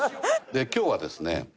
で今日はですね